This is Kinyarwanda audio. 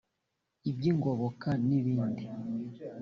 iby’ingoboka ni bindi